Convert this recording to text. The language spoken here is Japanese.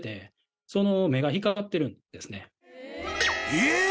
［えっ！